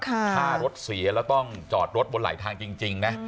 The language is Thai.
ถ้ารถเสียแล้วต้องจอดรถบนไหลทางจริงนะ